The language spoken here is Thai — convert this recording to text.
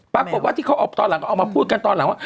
ปรากฏว่าที่เขาออกตอนหลังก็ออกมาพูดกันตอนหลังว่า